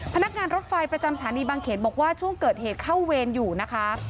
พนักงานรถไฟประจำสถานีบางเขนบอกว่าช่วงเกิดเหตุเข้าเวรอยู่นะคะ